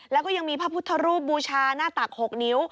แล้วก็ยังมีพระพุทธรูปบูชาหน้าตัก๖นิ้ว